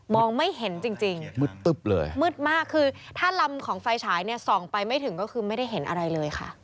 ไม่เห็นจริงมืดตึ๊บเลยมืดมากคือถ้าลำของไฟฉายเนี่ยส่องไปไม่ถึงก็คือไม่ได้เห็นอะไรเลยค่ะ